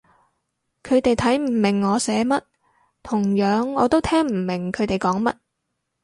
佢哋睇唔明我寫乜，同樣我都聽唔明佢哋講乜